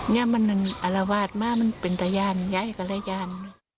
นี่มันอรวาสมากมันเป็นแต่ย่านย่ายก็เลยย่าน